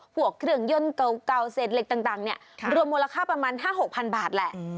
พวกเครื่องยนต์เก่าเศษเหล็กต่างเนี่ยรวมมูลค่าประมาณ๕๖๐๐๐บาทแหละ